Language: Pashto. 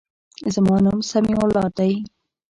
زما نوم سمیع الله دی.